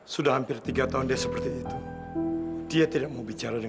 buatan hewan cowsok dia mau ngobrol diri